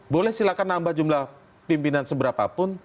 boleh silahkan nambah jumlah pimpinan seberapapun